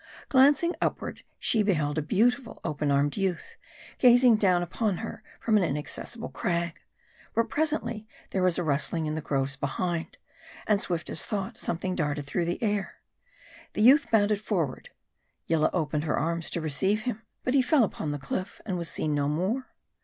Glanc ing upward, she beheld a beautiful open armed youth, gazing down upon her from an inaccessible crag. But presently, there was a rustling in the groves behind, and swift as thought, something darted through the air. The youth bounded forward. Yillah opened her arms to receive him ; but he fell upon the cliff, and was seen no more.